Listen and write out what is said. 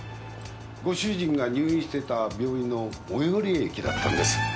ご主人が入院してた病院の最寄り駅だったんです。